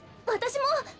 私も！